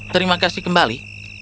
terima kasih kembali